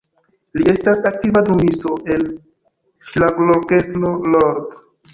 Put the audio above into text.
Li estas aktiva drumisto en ŝlagrorkestro "Lord".